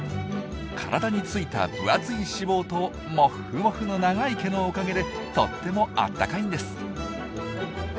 体についた分厚い脂肪とモッフモフの長い毛のおかげでとってもあったかいんです。